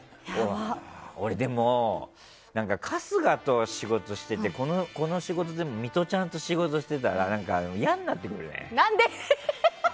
俺、でも春日と仕事していてこの仕事でもミトちゃんと仕事してたら何か嫌になってくるね。